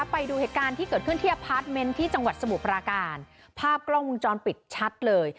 ไปดูเหตุการณ์ที่เกิดขึ้นที่อพาร์ทเมนต์ที่จังหวัดสมุทรปราการภาพกล้องวงจรปิดชัดเลย